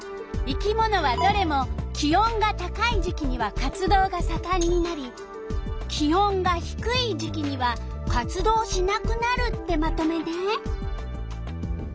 生き物はどれも気温が高い時期には活動がさかんになり気温がひくい時期には活動しなくなるってまとめね。